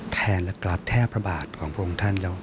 แทนและกราบแท่พระบาทของพระองค์ท่านแล้ว